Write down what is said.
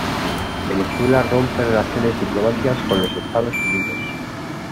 Venezuela rompe relaciones diplomáticas con los Estados Unidos.